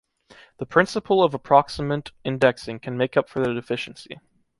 The principle of approximant indexing can make up for the deficiency.